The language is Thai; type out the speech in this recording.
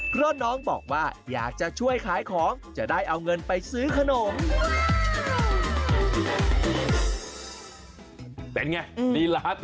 เพราะน้องบอกว่าอยากจะช่วยขายของจะได้เอาเงินไปซื้อขนม